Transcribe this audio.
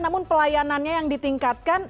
namun pelayanannya yang ditingkatkan